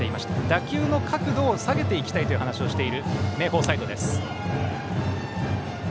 打球の角度を下げていきたいという話をしている明豊サイドです。